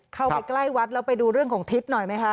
เข้าไปใกล้วัดแล้วไปดูเรื่องของทิศหน่อยไหมคะ